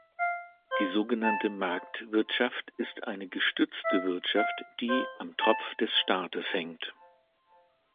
Die so genannte Marktwirtschaft ist eine gestützte Wirtschaft, die am Tropf des Staates hängt.